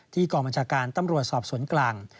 กองบัญชาการตำรวจสอบสวนกลาง